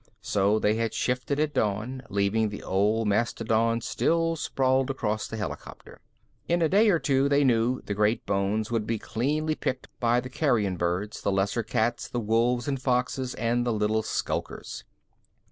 So they had shifted at dawn, leaving the old mastodon still sprawled across the helicopter. In a day or two, they knew, the great bones would be cleanly picked by the carrion birds, the lesser cats, the wolves and foxes and the little skulkers.